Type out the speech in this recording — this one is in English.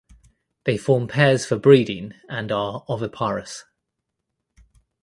They form pairs for breeding and are oviparous.